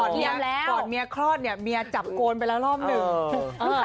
ก่อนเมียคลอดเนี่ยเมียจับโกนไปแล้วรอบหนึ่ง